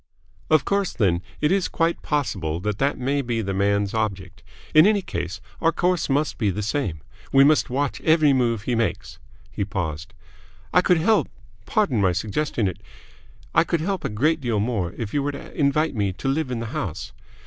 "Of course, then, it is quite possible that that may be the man's object. In any case, our course must be the same. We must watch every move he makes." He paused. "I could help pardon my suggesting it I could help a great deal more if you were to invite me to live in the house.